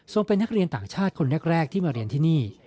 เป็นนักเรียนต่างชาติคนแรกที่มาเรียนที่นี่